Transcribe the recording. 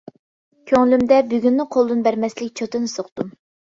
كۆڭلۈمدە بۈگۈننى قولدىن بەرمەسلىك چوتىنى سوقتۇم.